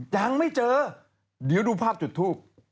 ยังไม่เจอเดี๋ยวดูภาพจุดทูบ